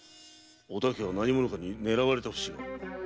お竹は何者かに狙われた節がある。